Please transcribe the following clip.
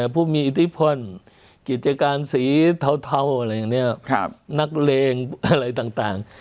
ผู้มีอิทธิพลกิจการสีเทาอะไรอย่างนี้นักเลงอะไรต่าง